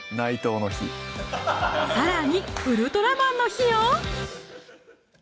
さらにウルトラマンの日よ